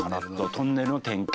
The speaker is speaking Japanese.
トンネルの点検。